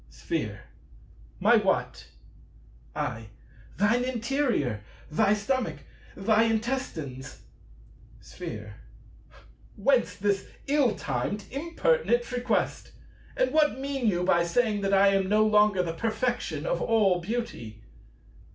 Sphere. My what? I. Thine interior: thy stomach, thy intestines. Sphere. Whence this ill timed impertinent request? And what mean you by saying that I am no longer the Perfection of all Beauty?